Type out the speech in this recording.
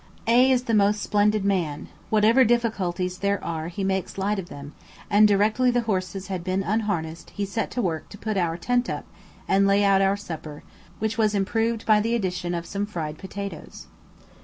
A is the most splendid man; whatever difficulties there are he makes light of them; and directly the horses had been unharnessed he set to work to put our tent up and lay out our supper, which was improved by the addition of some fried potatoes.